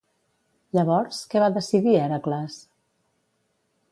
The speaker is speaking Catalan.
Llavors, que va decidir Hèracles?